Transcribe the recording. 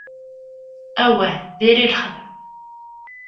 Awah, diri lexdeɛ.